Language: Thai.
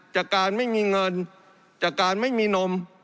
จากการไม่มีเงินจากการไม่มีนม